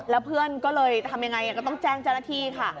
แล้วเพื่อนก็เลยทำยังไงก็ต้องแจ้งเจ้าหน้าที่ค่ะ